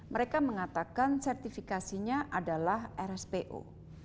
mereka mengatakan sertifikasinya adalah rspo